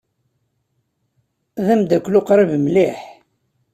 D ameddakel uqrib mliḥ.